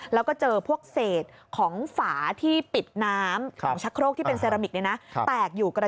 แล้วก็เจอพวกเศสของสระฝา